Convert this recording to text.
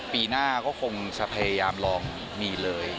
ปีหน้าก็คงจะพยายามลองมีเลย